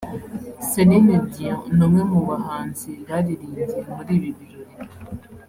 Celine Dion ni umwe mu bahanzi baririmbye muri ibi birori